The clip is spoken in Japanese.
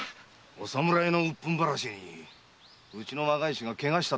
お侍の鬱憤晴らしにうちの若い衆がケガしてもいいと？